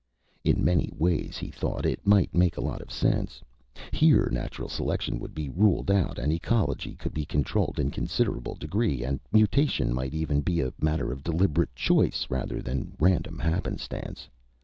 In many ways, he thought, it might make a lot of sense. Here natural selection would be ruled out and ecology could be controlled in considerable degree and mutation might even be a matter of deliberate choice rather than random happenstance.